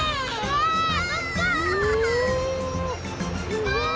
すごい！